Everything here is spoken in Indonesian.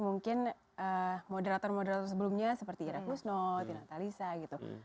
mungkin moderator moderator sebelumnya seperti ira kusno tina talisa gitu